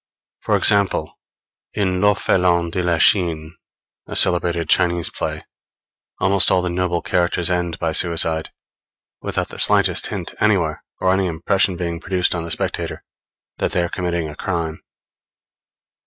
For example, in L'Orphelin de la Chine a celebrated Chinese play, almost all the noble characters end by suicide; without the slightest hint anywhere, or any impression being produced on the spectator, that they are committing a crime.